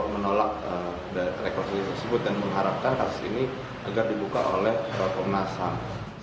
menolak rekonstruksi tersebut dan mengharapkan kasus ini agar dibuka oleh komnas ham